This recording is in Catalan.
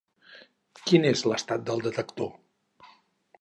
Quin és l'estat del detector?